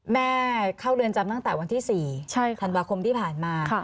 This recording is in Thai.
แม่เข้าเรือนจำตั้งแต่วันที่๔ธันวาคมที่ผ่านมา